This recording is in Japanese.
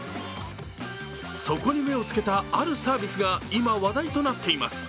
そこに目をつけたあるサービスが今話題となっています。